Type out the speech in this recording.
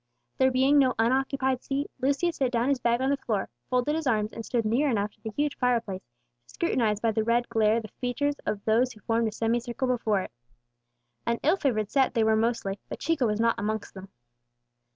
There being no unoccupied seat, Lucius set down his bag on the floor, folded his arms, and stood near enough to the huge fireplace to scrutinize by the red glare the features of those who formed a semicircle before it. An ill favoured set they mostly were, but Chico was not amongst them.